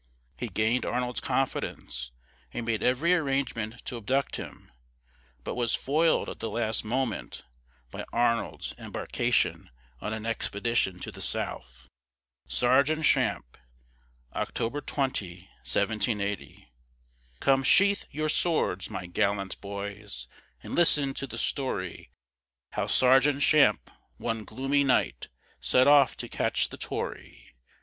He gained Arnold's confidence, and made every arrangement to abduct him, but was foiled at the last moment by Arnold's embarkation on an expedition to the south. SERGEANT CHAMPE [October 20, 1780] Come sheathe your swords! my gallant boys, And listen to the story, How Sergeant Champe, one gloomy night, Set off to catch the Tory.